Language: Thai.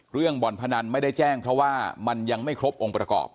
บ่อนพนันไม่ได้แจ้งเพราะว่ามันยังไม่ครบองค์ประกอบ